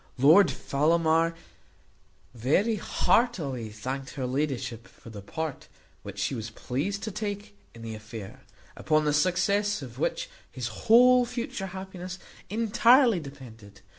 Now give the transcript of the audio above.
Lord Fellamar very heartily thanked her ladyship for the part which she was pleased to take in the affair, upon the success of which his whole future happiness entirely depended.